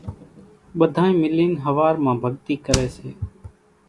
ٻڌانئين ملين ۿوار مان ڀڳتي ڪري سي